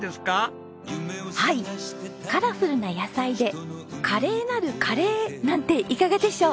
はいカラフルな野菜で「華麗なるカレー」なんていかがでしょう？